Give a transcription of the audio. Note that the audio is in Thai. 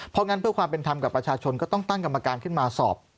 เพราะงั้นเพื่อความเป็นธรรมกับประชาชนก็ต้องตั้งกรรมการขึ้นมาสอบ